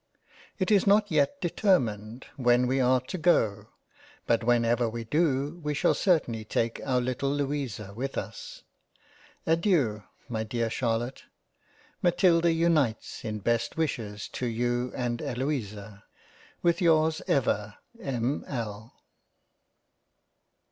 It is not yet determined when we are to go, but when ever we do we shall certainly take our little Louisa with us. Adeiu my dear Charlotte ; Matilda unites in best wishes to you and Eloisa, with yours ever M. L.